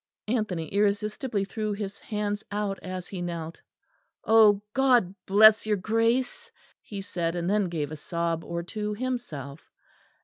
Anthony irresistibly threw his hands out as he knelt. "Oh! God bless your Grace!" he said; and then gave a sob or two himself.